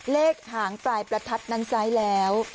เลขหางปลายประทัดนั้นซ้ายแล้ว